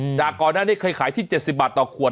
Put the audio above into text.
จากก่อนหน้านี้เคยขายที่๗๐บาทต่อขวด